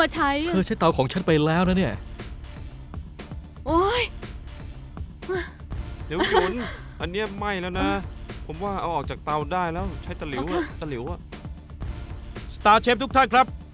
สตาร์เชฟทุกท่านครับ